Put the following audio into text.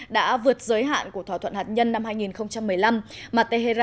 đã vượt giới hạn của thỏa thuận hạt nhân năm hai nghìn hai mươi